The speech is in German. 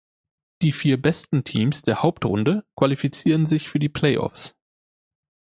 Die vier besten Teams der Hauptrunde qualifizieren sich für die Playoffs.